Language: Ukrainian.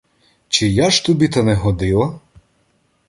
Чи я ж тобі та не годила?